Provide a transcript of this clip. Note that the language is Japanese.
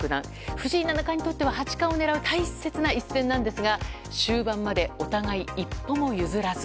藤井七冠にとっては八冠を狙う大切な一戦なんですが終盤までお互い一歩も譲らず。